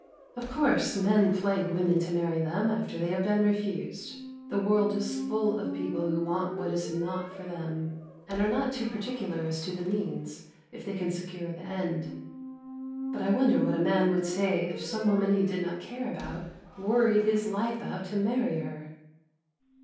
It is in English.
Of course men plague women to marry them after they have been refused. The world is full of people who want what is not for them, and are not too particular as to the means, if they can secure the end. But I wonder what a man would say if some woman he did not care about worried his life out to marry her.